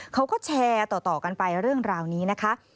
เขาก็แชร์ต่อกันไปเรื่องราวนี้นะคะ